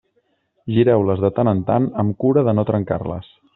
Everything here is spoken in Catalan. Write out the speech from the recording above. Gireu-les de tant en tant amb cura de no trencar-les.